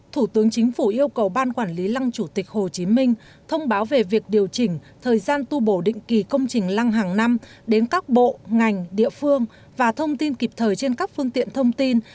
thủ tướng chính phủ yêu cầu ban quản lý lăng chủ tịch hồ chí minh thông báo về việc điều chỉnh thời gian tu bổ định kỳ công trình lăng hàng năm đến các bộ ngành địa phương và thông tin kịp thời trên các phương tiện thông tin